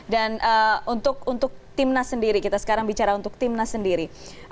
dan untuk timnas sendiri kita sekarang bicara untuk timnas sendiri